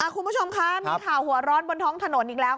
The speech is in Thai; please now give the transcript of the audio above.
คุณผู้ชมคะมีข่าวหัวร้อนบนท้องถนนอีกแล้ว